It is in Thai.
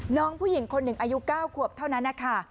น้องผู้หญิงคนหนึ่งอายุ๙ขวบเท่านั้นนะคะ